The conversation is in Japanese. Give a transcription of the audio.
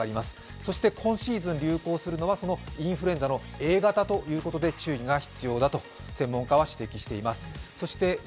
そして今シーズン流行するのは、そのインフルエンザのＡ型ということで注意が必要だと専門家は指摘しています。